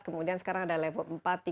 kemudian sekarang ada level empat tiga dua